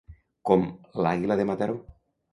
Com l'àguila de Mataró.